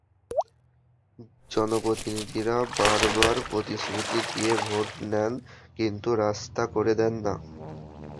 জনপ্রতিনিধিরা বারবার প্রতিশ্রুতি দিয়ে ভোট নেন, কিন্তু রাস্তা করে দেন না।